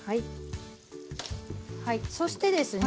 そしてですね